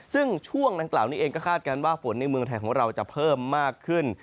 ซึ่งช่วงดังกล่าวนี้เองก็คาดการณ์ว่าฝนในเมืองไทยของเราจะเพิ่มมากขึ้น